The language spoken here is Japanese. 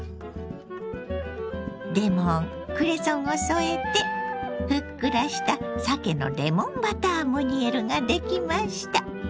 レモンクレソンを添えてふっくらしたさけのレモンバタームニエルができました。